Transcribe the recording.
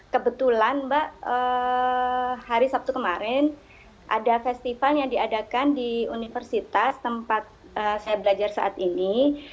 kebetulan mbak hari sabtu kemarin ada festival yang diadakan di universitas tempat saya belajar saat ini